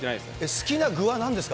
好きな具はなんですか？